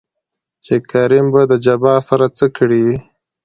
چې کريم به د جبار سره څه کړې وي؟